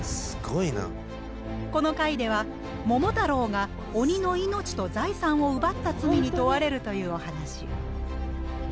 この回では桃太郎が鬼の命と財産を奪った罪に問われるというお話。